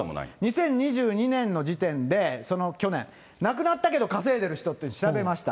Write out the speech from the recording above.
２０２２年の時点で、その去年、亡くなったけど稼いでる人って調べました。